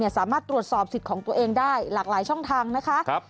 สามารถตรวจสอบสิทธิ์ของตัวเองได้หลากหลายช่องทางนะคะ